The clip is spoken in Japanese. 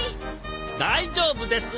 大丈夫です。